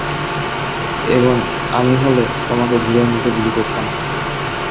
এবং আমি হলে তোমাকে ভিড়ের মধ্যে গুলি করতাম।